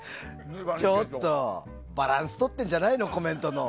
ちょっとバランスとってんじゃないのコメントの。